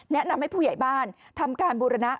แนะนำให้ผู้ใหญ่บ้านทำการบูรณะ